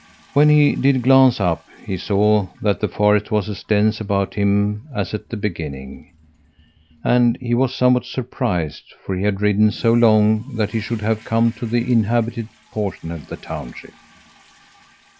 When he did glance up, he saw that the forest was as dense about him as at the beginning, and he was somewhat surprised, for he had ridden so long that he should have come to the inhabited portion of the township.